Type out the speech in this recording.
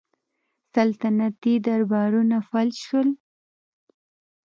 سلطنتي دربارونه فلج شول